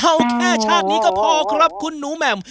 เอาแค่ชาตินี้ก็พอครับคุณหนูแหม่ม